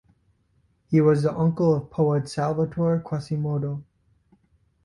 He was the uncle of poet Salvatore Quasimodo.